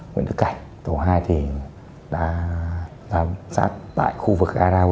nguyễn đức cảnh